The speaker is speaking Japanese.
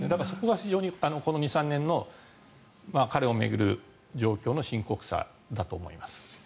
そこが非常にこの２３年の彼を巡る状況の深刻さだと思います。